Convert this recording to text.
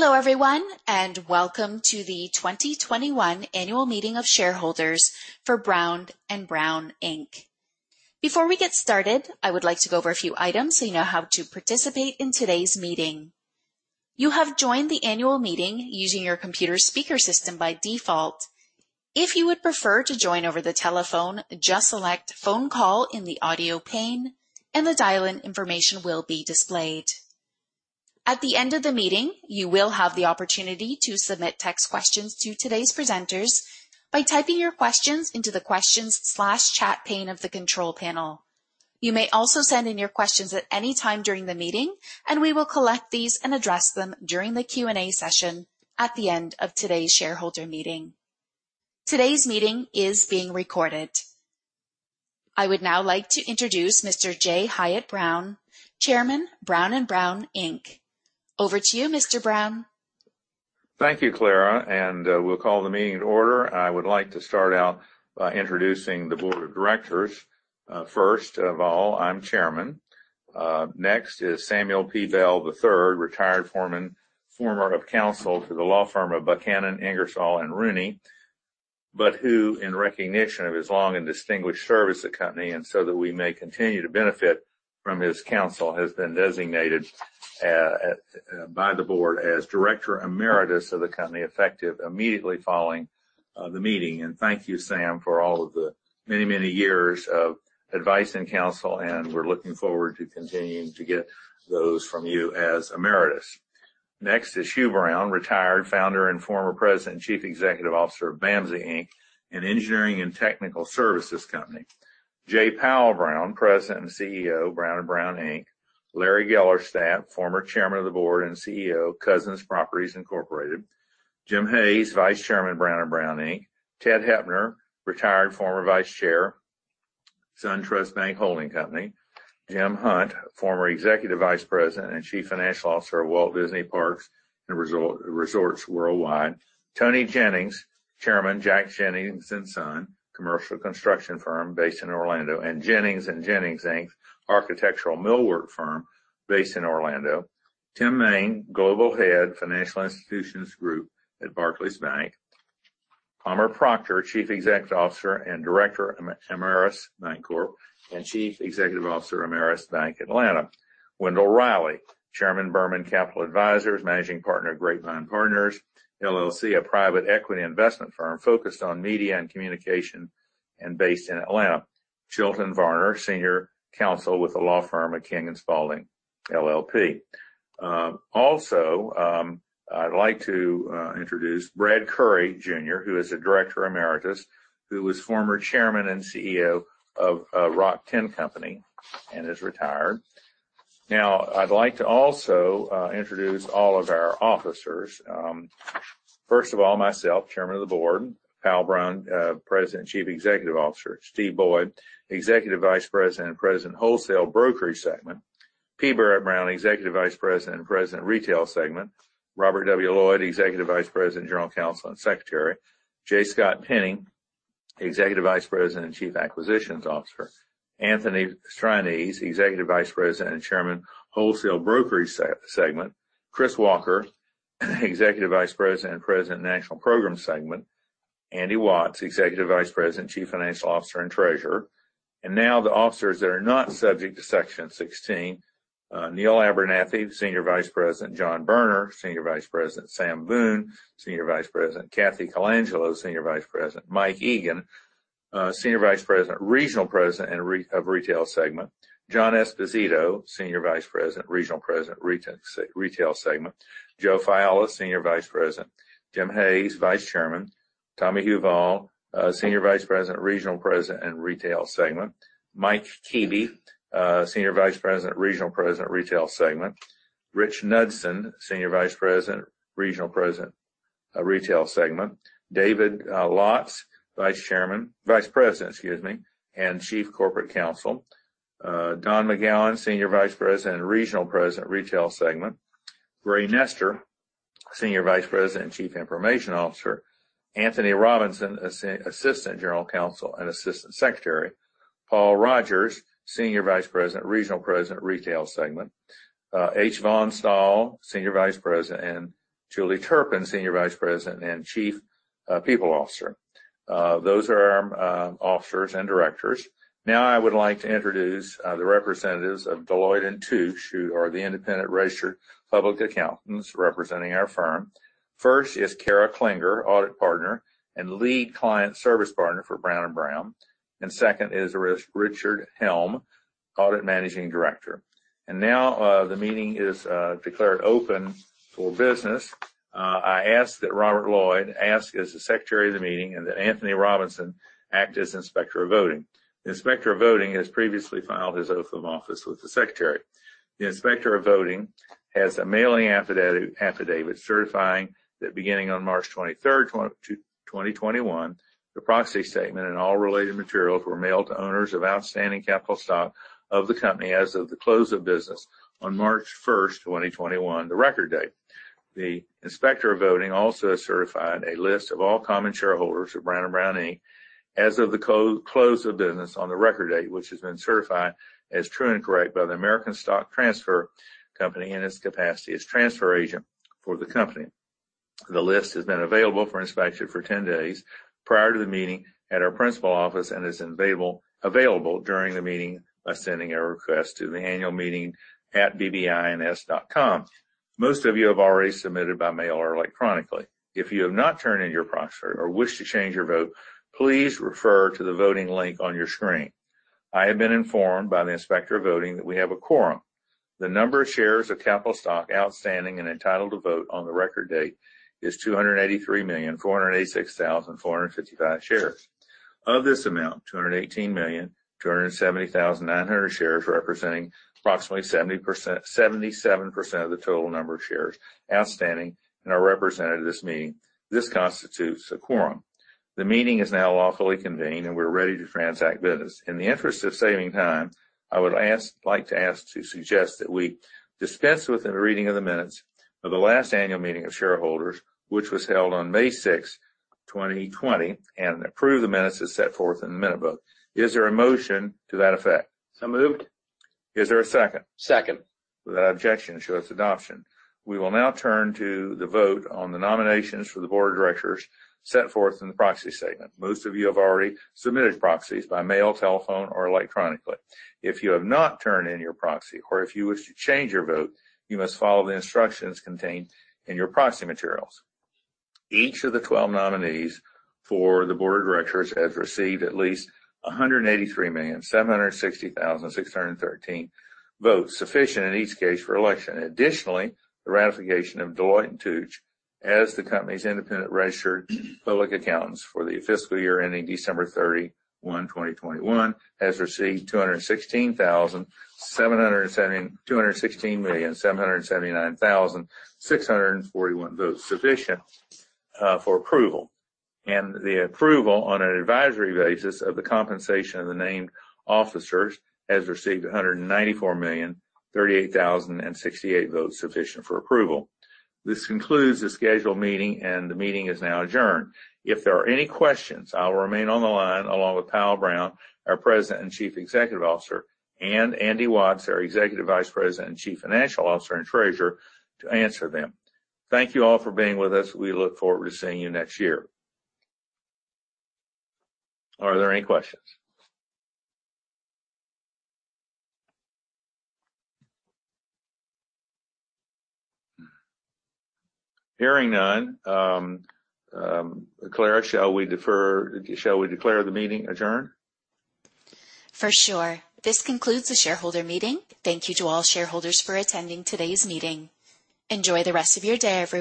Hello, everyone, and welcome to the 2021 annual meeting of shareholders for Brown & Brown, Inc. Before we get started, I would like to go over a few items so you know how to participate in today's meeting. You have joined the annual meeting using your computer's speaker system by default. If you would prefer to join over the telephone, just select phone call in the audio pane, and the dial-in information will be displayed. At the end of the meeting, you will have the opportunity to submit text questions to today's presenters by typing your questions into the questions/chat pane of the control panel. You may also send in your questions at any time during the meeting, and we will collect these and address them during the Q&A session at the end of today's shareholder meeting. Today's meeting is being recorded. I would now like to introduce Mr. J. Hyatt Brown, Chairman, Brown & Brown, Inc. Over to you, Mr. Brown. Thank you, Clara, and we'll call the meeting to order. I would like to start out by introducing the board of directors. First of all, I'm Chairman. Next is Samuel P. Bell III, retired Former Of Counsel to the law firm of Buchanan Ingersoll & Rooney, but who, in recognition of his long and distinguished service to the company and so that we may continue to benefit from his counsel, has been designated by the board as Director Emeritus of the company, effective immediately following the meeting. Thank you, Sam, for all of the many, many years of advice and counsel, and we're looking forward to continuing to get those from you as emeritus. Next is Hugh M. Brown, retired Founder and Former President and Chief Executive Officer of BAMSI, Inc., an engineering and technical services company. J. Powell Brown, President and CEO, Brown & Brown, Inc. Larry Gellerstedt, Former Chairman of the Board and CEO, Cousins Properties Incorporated. Jim Hays, Vice Chairman, Brown & Brown, Inc. Ted Hoepner, Retired Former Vice Chair, SunTrust Bank Holding Company. Jim Hunt, Former Executive Vice President and Chief Financial Officer of Walt Disney Parks and Resorts Worldwide. Toni Jennings, Chairman, Jack Jennings & Sons, commercial construction firm based in Orlando, and Jennings & Jennings, Inc., architectural millwork firm based in Orlando. Tim Main, Global Head, Financial Institutions Group at Barclays Bank. Palmer Proctor, Chief Executive Officer and Director, Ameris Bancorp, and Chief Executive Officer, Ameris Bank Atlanta. Wendell Reilly, Chairman, Berman Capital Advisors, Managing Partner, Grapevine Partners, LLC, a private equity investment firm focused on media and communication, and based in Atlanta. Chilton Varner, Senior Counsel with the law firm of King & Spalding LLP. Also, I'd like to introduce Brad Currey Jr., who is a Director Emeritus, who was former Chairman and CEO of RockTenn Company and is retired. Now, I'd like to also introduce all of our officers. First of all, myself, Chairman of the Board. Powell Brown, President and Chief Executive Officer. Steve Boyd, Executive Vice President and President, Wholesale Brokerage Segment. P. Barrett Brown, Executive Vice President and President, Retail Segment. Robert W. Lloyd, Executive Vice President, General Counsel, and Secretary. J. Scott Penny, Executive Vice President and Chief Acquisitions Officer. Anthony Strianese, Executive Vice President and Chairman, Wholesale Brokerage Segment. Chris Walker, Executive Vice President and President, National Program Segment. Andy Watts, Executive Vice President, Chief Financial Officer and Treasurer. Now the officers that are not subject to Section 16. Neal Abernathy, Senior Vice President. John Berner, Senior Vice President. Sam Boone, Senior Vice President. Kathy Colangelo, Senior Vice President. Mike Egan, Senior Vice President, Regional President of Retail Segment. John Esposito, Senior Vice President, Regional President, Retail Segment. Joe Failla, Senior Vice President. Jim Hays, Vice Chairman. Tommy Huval, Senior Vice President, Regional President, and Retail Segment. Mike Keeby, Senior Vice President, Regional President, Retail Segment. Rich Knudson, Senior Vice President, Regional President, Retail Segment. David Lotts, Vice President, excuse me, and Chief Corporate Counsel. Don McGowan, Senior Vice President and Regional President, Retail Segment. Gray Nester, Senior Vice President and Chief Information Officer. Anthony Robinson, Assistant General Counsel and Assistant Secretary. Paul Rogers, Senior Vice President, Regional President, Retail Segment. H. Vaughan Stahl, Senior Vice President, and Julie Turpin, Senior Vice President and Chief People Officer. Those are our officers and directors. Now I would like to introduce the representatives of Deloitte & Touche, who are the independent registered public accountants representing our firm. First is Kara Klinger, audit partner and lead client service partner for Brown & Brown. Second is Richard Helm, audit managing director. Now, the meeting is declared open for business. I ask that Robert Lloyd act as the Secretary of the meeting, and that Anthony Robinson act as Inspector of voting. The Inspector of voting has previously filed his oath of office with the Secretary. The Inspector of voting has a mailing affidavit certifying that beginning on March 23rd, 2021, the proxy statement and all related materials were mailed to owners of outstanding capital stock of the company as of the close of business on March 1st, 2021, the record date. The inspector of voting also certified a list of all common shareholders of Brown & Brown, Inc. as of the close of business on the record date, which has been certified as true and correct by the American Stock Transfer & Trust Company in its capacity as transfer agent for the company. The list has been available for inspection for 10 days prior to the meeting at our principal office and is available during the meeting by sending a request to the annualmeeting@bbins.com. Most of you have already submitted by mail or electronically. If you have not turned in your proxy or wish to change your vote, please refer to the voting link on your screen. I have been informed by the Inspector of Voting that we have a quorum. The number of shares of capital stock outstanding and entitled to vote on the record date is 283,486,455 shares. Of this amount, 218,270,900 shares, representing approximately 77% of the total number of shares outstanding, and are represented at this meeting. This constitutes a quorum. The meeting is now lawfully convened, and we're ready to transact business. In the interest of saving time, I would like to suggest that we dispense with the reading of the minutes of the last annual meeting of shareholders, which was held on May 6, 2020, and approve the minutes as set forth in the minute book. Is there a motion to that effect? So moved. Is there a second? Second. Without objection, show its adoption. We will now turn to the vote on the nominations for the board of directors set forth in the proxy statement. Most of you have already submitted proxies by mail, telephone, or electronically. If you have not turned in your proxy or if you wish to change your vote, you must follow the instructions contained in your proxy materials. Each of the 12 nominees for the board of directors has received at least 183,760,613 votes, sufficient in each case for election. The ratification of Deloitte & Touche as the company's independent registered public accountants for the fiscal year ending December 31, 2021, has received 216,779,641 votes, sufficient for approval. The approval on an advisory basis of the compensation of the named officers has received 194,038,068 votes, sufficient for approval. This concludes the scheduled meeting, and the meeting is now adjourned. If there are any questions, I will remain on the line along with Powell Brown, our President and Chief Executive Officer, and Andy Watts, our Executive Vice President and Chief Financial Officer and Treasurer, to answer them. Thank you all for being with us. We look forward to seeing you next year. Are there any questions? Hearing none. Clara, shall we declare the meeting adjourned? For sure. This concludes the shareholder meeting. Thank you to all shareholders for attending today's meeting. Enjoy the rest of your day, everyone.